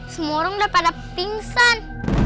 semua orang udah pada pingsan